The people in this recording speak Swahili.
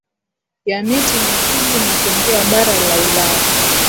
ya miti mitubwi na kuingia bara la ulaya